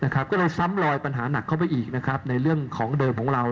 ก็เลยซ้ำลอยปัญหาหนักเข้าไปอีกในเรื่องของเดิมของเรา